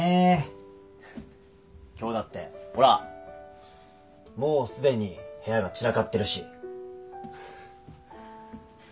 今日だってほらもうすでに部屋が散らかってるし。